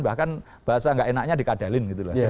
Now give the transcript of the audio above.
bahkan bahasa nggak enaknya dikadalin gitu